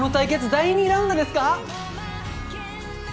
第２ラウンドですか？